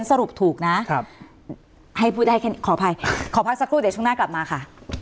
สรุปถูกนะครับให้พูดได้แค่ขออภัยขอพักสักครู่เดี๋ยวช่วงหน้ากลับมาค่ะ